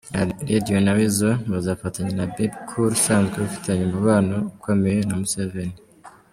Radio na Weasel bazafatanya na Bebe Cool, usanzwe ufitanye umubano ukomeye na Museveni.